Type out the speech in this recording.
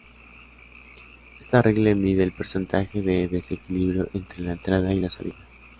Esta regla mide el porcentaje de desequilibrio entre la entrada y la salida.